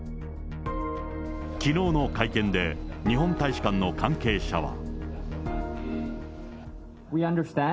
きのうの会見で、日本大使館の関係者は。